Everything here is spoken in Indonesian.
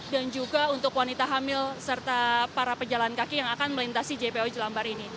dan juga untuk wanita hamil serta para pejalan kaki yang akan melintasi jpo jelambar ini